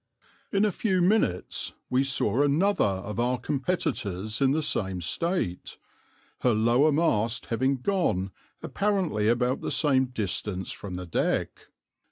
In a few minutes we saw another of our competitors in the same state, her lower mast having gone apparently about the same distance from the deck.